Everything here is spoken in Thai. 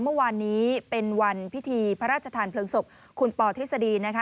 เมื่อวานนี้เป็นวันพิธีพระราชทานเพลิงศพคุณปอทฤษฎีนะคะ